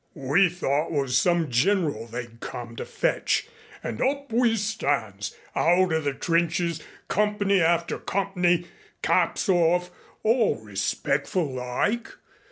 We thought 'twas some general they'd come to fetch and hup we stands hout o' the trenches, comp'ny after comp'ny, caps off, all respec'ful like.